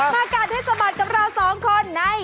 มาการให้สมัติกับเราสองคนใน